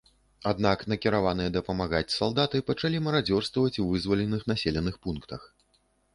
Аднак накіраваныя дапамагаць салдаты пачалі марадзёрстваваць ў вызваленых населеных пунктах.